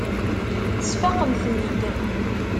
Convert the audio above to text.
Tesfaqem-ten-id.